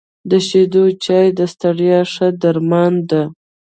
د شيدو چای د ستړیا ښه درمان ده .